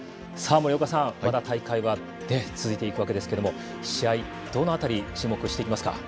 森岡さん、まだ大会は続いていくわけですけども試合、どの辺り注目していきますか？